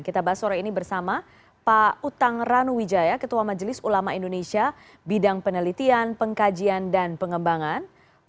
kita bahas sore ini bersama pak utang ranuwijaya ketua majelis ulama indonesia bidang penelitian pengkajian dan pengembangan